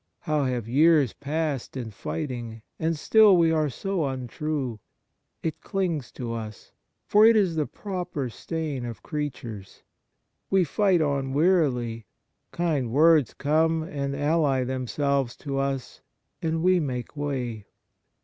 How have years passed in fighting, and still we are so untrue ! It clings to us; for it is the proper stain of creatures. We fight on wearily ; kind words come and ally themselves to us, and we make way.